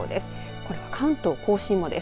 これは関東甲信もです。